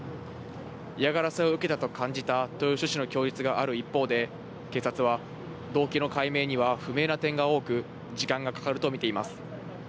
嫌がらせを受けたと感じたという趣旨の供述がある一方で、警察は、動機の解明には不明な点が多く、時間がかかると見ています。